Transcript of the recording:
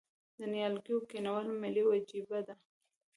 د نیالګیو کینول ملي وجیبه ده؟